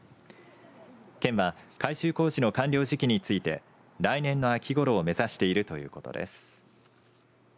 県は改修工事の完了時期について来年の秋ごろを目指しているということです。